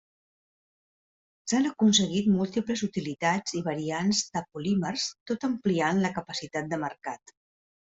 S'han aconseguit múltiples utilitats i variants de polímers tot ampliant la capacitat de mercat.